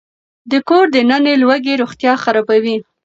د کور دننه لوګي روغتيا خرابوي.